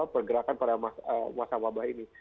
pergerakan pada masa wabah ini